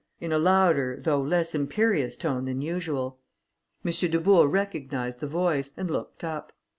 in a louder, though less imperious tone than usual. M. Dubourg recognised the voice, and looked up.